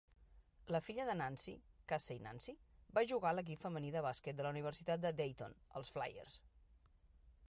La filla de Nance, Casey Nance, va jugar a l'equip femení de bàsquet de la Universitat de Dayton, els Flyers.